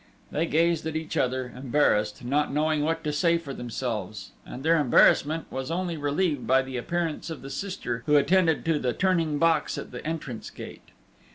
They gazed at each other, embarrassed, not knowing what to say for themselves; and their embarrassment was only relieved by the appearance of the sister who attended to the turning box at the entrance gate.